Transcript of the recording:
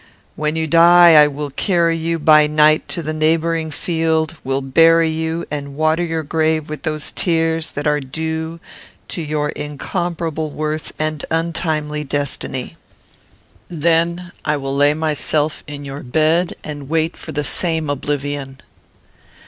When you die, I will carry you by night to the neighbouring field; will bury you, and water your grave with those tears that are due to your incomparable worth and untimely destiny. Then I will lay myself in your bed, and wait for the same oblivion."